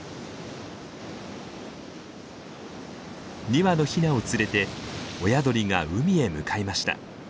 ２羽のヒナを連れて親鳥が海へ向かいました。